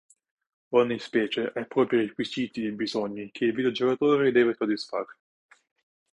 Ogni specie ha i propri requisiti e bisogni che il videogiocatore deve soddisfare.